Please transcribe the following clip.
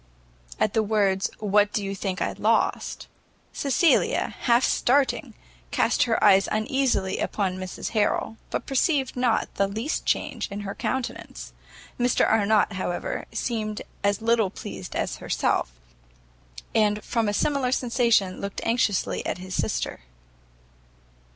At the words what do you think I lost, Cecilia, half starting, cast her eyes uneasily upon Mrs Harrel, but perceived not the least change in her countenance. Mr Arnott, however, seemed as little pleased as herself, and from a similar sensation looked anxiously at his sister.